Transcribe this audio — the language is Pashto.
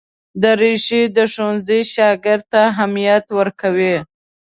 دریشي د ښوونځي شاګرد ته اهمیت ورکوي.